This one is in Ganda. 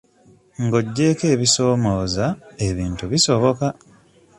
Ng'oggyeko ebisoomooza, ebintu bisoboka.